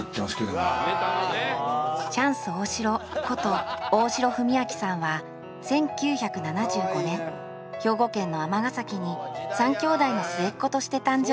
チャンス大城こと大城文章さんは１９７５年兵庫県の尼崎に３きょうだいの末っ子として誕生